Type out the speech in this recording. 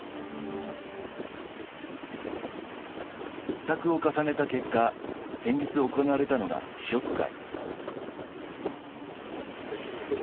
試作を重ねた結果、先日行われたのが試食会。